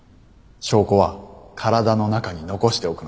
証拠は体の中に残しておくので。